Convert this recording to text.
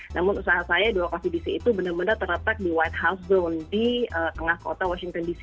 namun usaha saya dua coffee dc itu benar benar terletak di white house zone di tengah kota washington dc